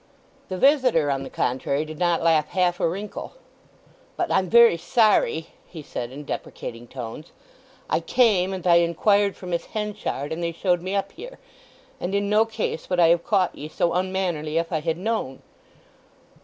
The visitor, on the contrary, did not laugh half a wrinkle. "But I'm very sorry!" he said, in deprecating tones. "I came and I inquired for Miss Henchard, and they showed me up here, and in no case would I have caught ye so unmannerly if I had known!"